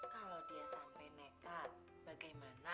kalau dia sampai nekat bagaimana